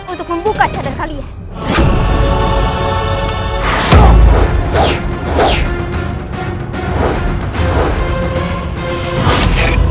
untuk membuka cadar kalian